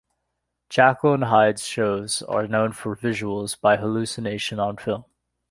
Jackal and Hyde's shows are known for visuals by Hallucination on Film.